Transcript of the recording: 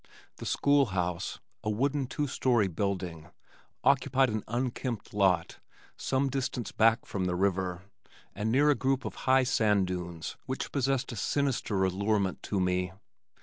The school house, a wooden two story building, occupied an unkempt lot some distance back from the river and near a group of high sand dunes which possessed a sinister allurement to me.